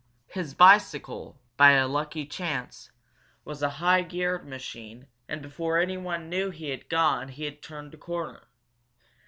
His bicycle, by a lucky chance, was a high geared machine and before anyone knew he had gone he had turned a corner.